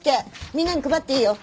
みんなに配っていいよ。